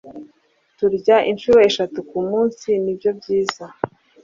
turya inshuro eshatu ku munsi nibyo byiza